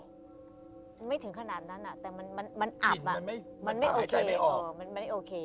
อเรนนี่แทงก่อนก็ไม่ถึงขนาดนั้นแต่อาบอ่ะ